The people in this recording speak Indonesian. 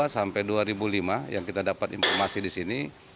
dua sampai dua ribu lima yang kita dapat informasi di sini